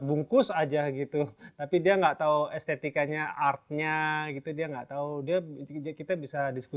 ini juga yang saya ingin kasih tau